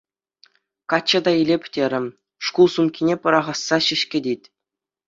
Качча та илӗп терӗ, шкул сумкине пӑрахасса ҫеҫ кӗтет.